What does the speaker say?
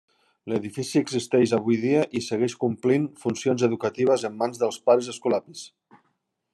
L'edifici existeix avui dia i segueix complint funcions educatives en mans dels pares escolapis.